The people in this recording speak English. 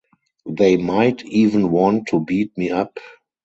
They might even want to beat me up.